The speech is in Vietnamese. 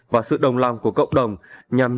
và sự đồng lòng của cộng đồng nhằm